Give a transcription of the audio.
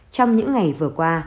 trong những ngày vừa qua